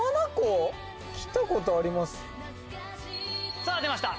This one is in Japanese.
さぁ出ました